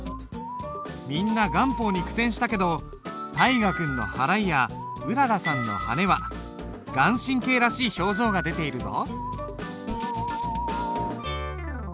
みんな顔法に苦戦したけど大河君の払いやうららさんのはねは顔真らしい表情が出ているぞ。